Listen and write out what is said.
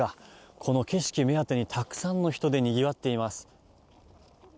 この景色を目当てにたくさんの人でにぎわっています。